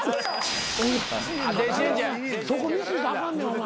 そこミスしたらあかんねんお前。